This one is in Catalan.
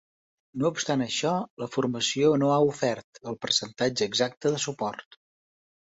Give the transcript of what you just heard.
No obstant això, la formació no ha ofert el percentatge exacte de suport.